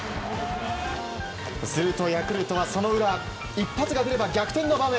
するとヤクルトは、その裏一発が出れば逆転の場面。